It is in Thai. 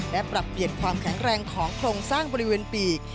และปรับเปลี่ยนความแข็งแรงของโครงสร้างบริเวณปีก